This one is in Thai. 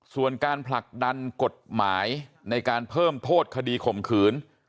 ส่วนการผลักดันกฎหมายในการเพิ่มโทษคดีข่มขืน